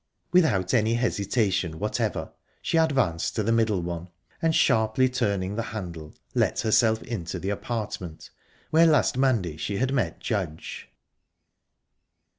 Without any hesitation whatever she advanced to the middle one, and, sharply turning the handle, let herself into the apartment, where last Monday she had met Judge.